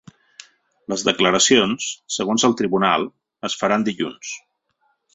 Les declaracions, segons el tribunal, es faran dilluns.